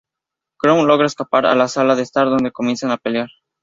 Krug logra escapar a la sala de estar, donde comienzan a pelear.